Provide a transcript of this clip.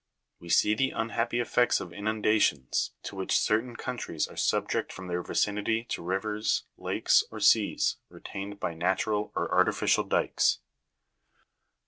We see the unhappy effects of inundations, to which certain countries are subject from their vicinity to rivers, lakes, or seas, retained by natural or artificial dykes.